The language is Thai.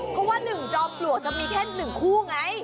เพราะว่า๑จอมปลวกจะมีแค่๑คู่ไง